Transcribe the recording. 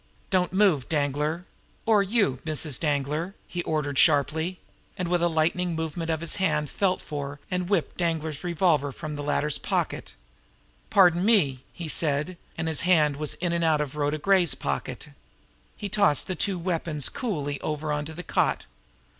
"Don't move, Danglar or you, Mrs. Danglar!" he ordered sharply and with a lightning movement of his hand felt for, and whipped Danglar's revolver from the latter's pocket. "Pardon me!" he said and his hand was in and out of Rhoda Gray's pocket. He tossed the two weapons coolly over onto the cot.